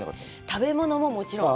食べ物ももちろん。